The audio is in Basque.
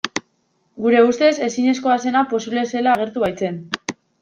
Gure ustez ezinezkoa zena posible zela agertu baitzen.